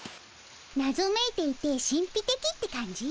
なぞめいていて神ぴてきって感じ？